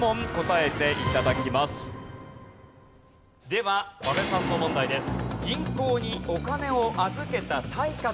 では阿部さんの問題です。